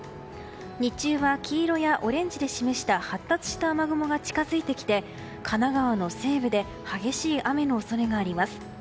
日中は黄色やオレンジで示した発達した雨雲が近づいてきて、神奈川の西部で激しい雨の恐れがあります。